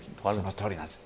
そのとおりなんです。